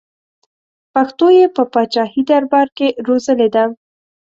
پښتو یې په پاچاهي دربار کې روزلې ده.